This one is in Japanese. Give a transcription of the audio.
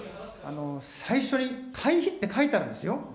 最初に会費って書いてあるんですよ。